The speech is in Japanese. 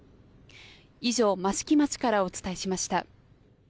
以上、益城町からお伝えしました。